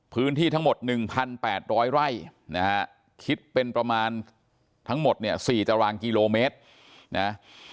พื้นที่ทั้งหมด๑๘๐๐ไร่นะฮะคิดเป็นประมาณทั้งหมดเนี่ย๔ตารางกิโลเมตรนะ